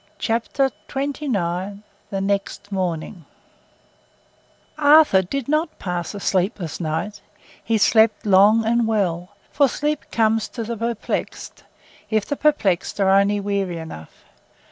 Chapter XXIX The Next Morning Arthur did not pass a sleepless night; he slept long and well. For sleep comes to the perplexed—if the perplexed are only weary enough.